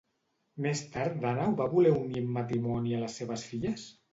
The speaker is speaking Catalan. Més tard Dànau va voler unir en matrimoni a les seves filles?